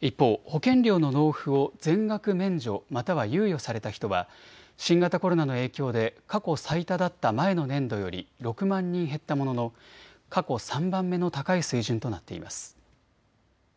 一方、保険料の納付を全額免除、または猶予された人は新型コロナの影響で過去最多だった前の年度より６万人減ったものの過去３番目の高い水準となっています。